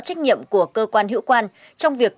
trách nhiệm của cơ quan hữu quan trong việc